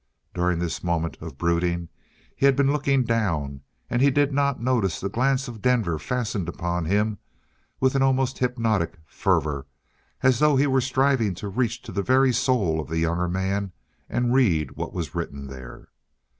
During this moment of brooding he had been looking down, and he did not notice the glance of Denver fasten upon him with an almost hypnotic fervor, as though he were striving to reach to the very soul of the younger man and read what was written there.